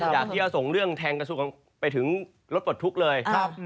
อยากที่จะส่งเรื่องแทงกระทรวงไปถึงรถปลดทุกข์เลย